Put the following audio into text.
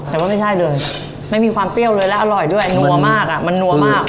แต่ว่าไม่ใช่เลยไม่มีความเปรี้ยวเลยและอร่อยด้วยนัวมากอ่ะมันนัวมาก